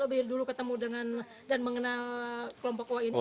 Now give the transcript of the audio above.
lebih dulu ketemu dengan dan mengenal kelompok oa ini